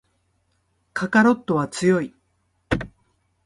カカロットは強い